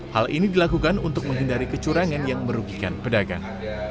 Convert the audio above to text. hal ini dilakukan untuk menghindari kecurangan yang merugikan pedagang